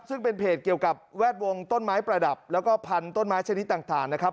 ซึ่งเป็นเพจเกี่ยวกับแวดวงต้นไม้ประดับแล้วก็พันธุ์ต้นไม้ชนิดต่างนะครับ